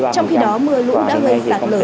trong khi đó mưa lũ đã gây sạc lở